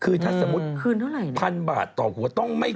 คือถ้าสมมุติ๑๐๐๐บาทต่อหัวต้องไม่เกิน